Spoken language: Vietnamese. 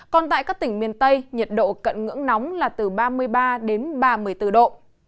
còn tại các tỉnh miền tây nhiệt độ cận ngưỡng nóng là từ ba mươi ba đến ba mươi bốn độ